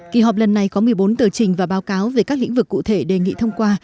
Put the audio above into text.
kỳ họp lần này có một mươi bốn tờ trình và báo cáo về các lĩnh vực cụ thể đề nghị thông qua